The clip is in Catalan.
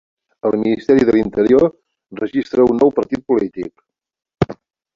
El Ministeri de l'Interior registra un nou partit polític